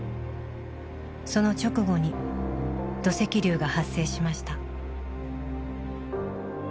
その直後に土石流が発生しました。